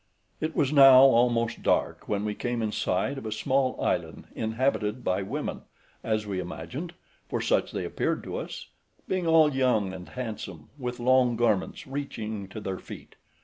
It was now almost dark, when we came in sight of a small island inhabited by women, as we imagined, for such they appeared to us, being all young and handsome, with long garments reaching to their feet.